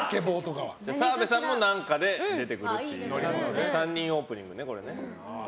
澤部さんも何かで出てくるっていう３人オープニングね。